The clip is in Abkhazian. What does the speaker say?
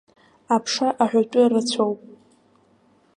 Аԥша аҳәатәы рацәоуп.